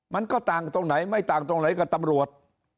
มันก็ต่างตรงไหนไม่ต่างตรงไหนกับตำรวจ